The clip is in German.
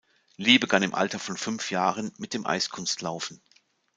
Li begann im Alter von fünf Jahren mit dem Eiskunstlaufen.